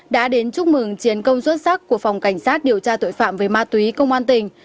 đã đến chúc mừng chiến công xuất sắc của phòng cảnh sát điều tra tội phạm về ma túy công an tỉnh